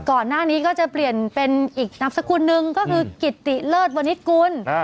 ก่อนหน้านี้ก็จะเปลี่ยนเป็นอีกนามสกุลนึงก็คือกิตติเลิศวนิตกุล